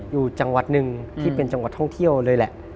อยู่จังหวัดหนึ่งที่เป็นจังหวัดท่องเที่ยวเลยแหละ